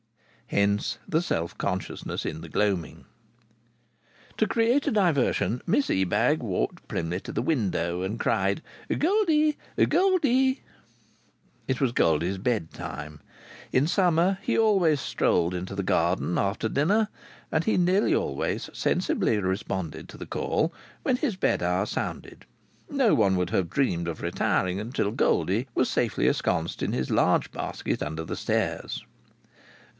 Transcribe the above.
Hence the self consciousness in the gloaming. To create a diversion Miss Ebag walked primly to the window and cried: "Goldie! Goldie!" It was Goldie's bedtime. In summer he always strolled into the garden after dinner, and he nearly always sensibly responded to the call when his bed hour sounded. No one would have dreamed of retiring until Goldie was safely ensconced in his large basket under the stairs.